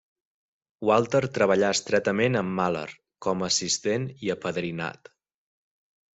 Walter treballà estretament amb Mahler, com a assistent i apadrinat.